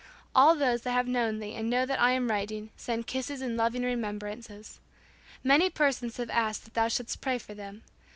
All those that have known thee and know that I am writing send kisses and loving remembrances. Many persons have asked that thou shouldst pray for them.